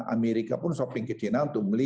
amerika pun shopping ke china untuk beli